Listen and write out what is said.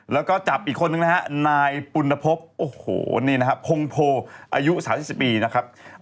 แล้วก็จับอีกคนนึงนะฮะนายปุณภพโอ้โหนี่นะครับพงโพอายุ๓๐ปีนะครับ